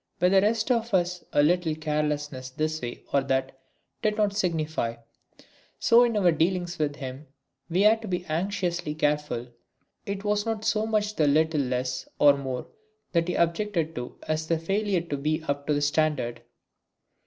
With the rest of us a little carelessness this way or that did not signify; so in our dealings with him we had to be anxiously careful. It was not so much the little less or more that he objected to as the failure to be up to the standard.